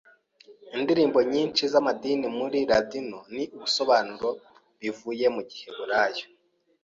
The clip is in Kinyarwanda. Indirimbo nyinshi z’amadini muri Ladino ni ibisobanuro bivuye mu giheburayo.